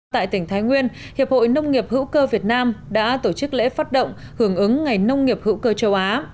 tại tỉnh thái nguyên hiệp hội nông nghiệp hữu cơ việt nam đã tổ chức lễ phát động hưởng ứng ngày nông nghiệp hữu cơ châu á